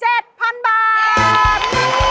เห็นไหมครับ